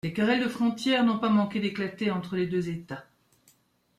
Les querelles de frontières n'ont pas manqué d'éclater entre les deux États.